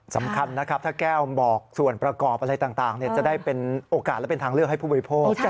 สำคัญนะครับถ้าแก้วบอกส่วนประกอบอะไรต่างจะได้เป็นโอกาสและเป็นทางเลือกให้ผู้บริโภค